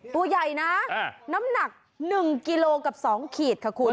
ตัวใหญ่นะน้ำหนัก๑กิโลกับ๒ขีดค่ะคุณ